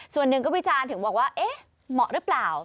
ส่วนหนึ่งก็วิจารณ์ถึงบอกว่าเอ๊ะเหมาะหรือเปล่า